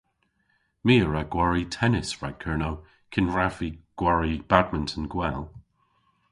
My a wra gwari tennis rag Kernow kyn hwrav vy gwari badminton gwell.